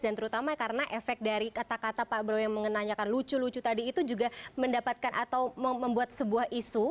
dan terutama karena efek dari kata kata pak prabowo yang menanyakan lucu lucu tadi itu juga mendapatkan atau membuat sebuah isu